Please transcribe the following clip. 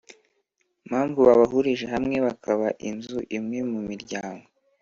Mpamvu babahurije hamwe bakaba inzu imwe mu miryango